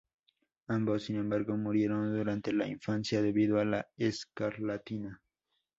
Ambos, sin embargo, murieron durante la infancia debido a la escarlatina.